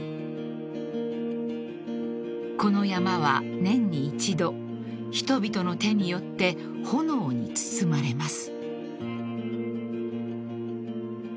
［この山は年に一度人々の手によって炎に包まれます］